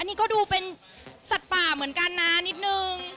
นี่ก็ดูเป็นสัตว์ป่าเหมือนกันนะนิดนึง